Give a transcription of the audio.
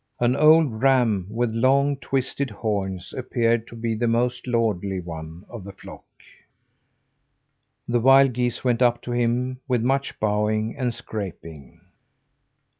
An old ram with long, twisted horns appeared to be the most lordly one of the flock. The wild geese went up to him with much bowing and scraping.